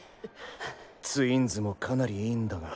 ツインズもかなりイイんだが。